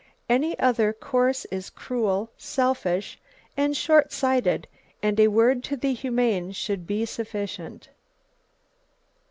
Any other course is cruel, selfish, and shortsighted; and a word to the humane should be sufficient.